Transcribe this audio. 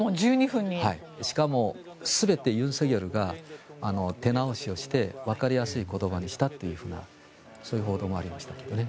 しかも、全て尹錫悦が手直しをしてわかりやすい言葉にしたというそういう報道もありましたけどね。